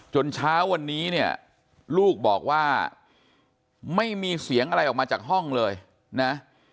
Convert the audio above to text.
เช้าวันนี้เนี่ยลูกบอกว่าไม่มีเสียงอะไรออกมาจากห้องเลยนะ